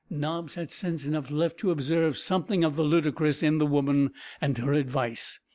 Nobbs had sense enough left to observe something of the ludicrous in the woman and her advice.